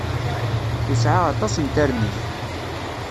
Yesɛa aṭas n tarmit.